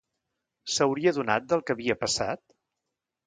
S'hauria adonat del que havia passat?